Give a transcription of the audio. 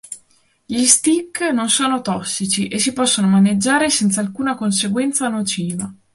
Gli stick non sono tossici e si possono maneggiare senza alcuna conseguenza nociva.